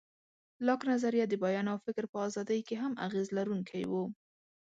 لاک نظریه د بیان او فکر په ازادۍ کې هم اغېز لرونکی و.